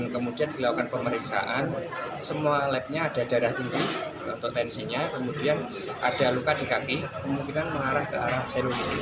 kemungkinan mengarah ke arah seriologis